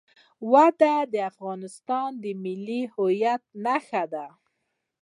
وادي د افغانستان د ملي هویت نښه ده.